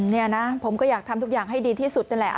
นี่นะผมก็อยากทำทุกอย่างให้ดีที่สุดนั่นแหละ